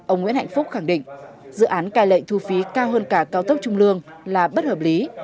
ông nguyễn hạnh phúc khẳng định dự án cai lệ thu phí cao hơn cả cao tốc trung lương là bất hợp lý